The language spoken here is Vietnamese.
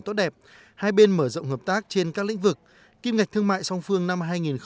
tốt đẹp hai bên mở rộng hợp tác trên các lĩnh vực kim ngạch thương mại song phương năm hai nghìn hai mươi